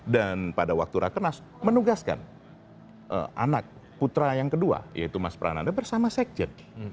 dan pada waktu rakenas menugaskan anak putra yang kedua yaitu mas prananda bersama sekjen